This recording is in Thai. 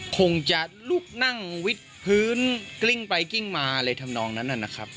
คงจะลุกนั่งวิดพื้นกลิ้งไปกลิ้งมาอะไรทำนองนั้นนะครับ